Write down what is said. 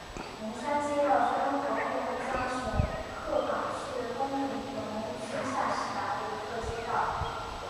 龙山街道是中国黑龙江省鹤岗市工农区下辖的一个街道。